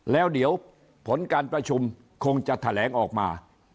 แล้วเดี๋ยวผลการประชุมคงจะแถลงออกมา